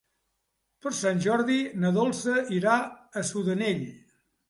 Per Sant Jordi na Dolça irà a Sudanell.